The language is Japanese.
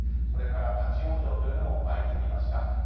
それから立往生というのも相次ぎました。